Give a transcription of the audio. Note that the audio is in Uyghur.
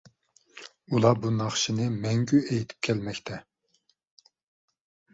ئۇلار بۇ ناخشىنى مەڭگۈ ئېيتىپ كەلمەكتە.